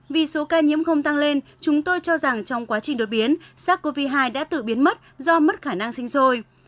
vì số ca nhiễm không tăng lên chúng tôi cho rằng trong quá trình đột biến sars cov hai đã tự biến mất do mất khả năng sinh sôi